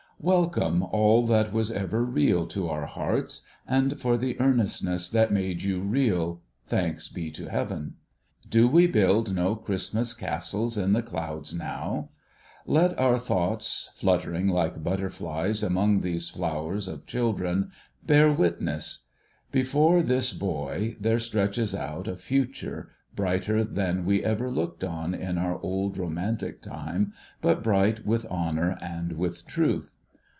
Welcome, all that was ever real to our hearts ; and for the earnestness that made you real, thanks to Heaven ! Do we build no Christmas castles in the clouds now ? Let our thoughts, fluttering like butterflies among these flowers of children, bear witness ! Before this boy, there stretches out a Future, brighter than we ever looked on in our old romantic time, but bright with honour and with truth.